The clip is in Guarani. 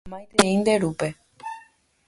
Maitei nde rúpe.